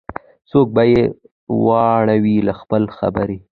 څوک به یې واړوي له خپل خبري